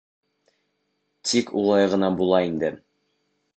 Тик улай ғына була инде...